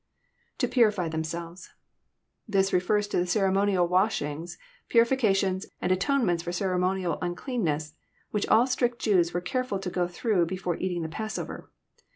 ITo purify themselves.'] This refers to the ceremonial wash ings, purifications, and atonements for ceremonial uncleanness, which all strict Jews were carefbl to go through before eating the passover.